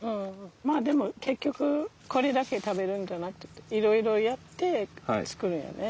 まあでも結局これだけ食べるんじゃなくていろいろやって作るんよね。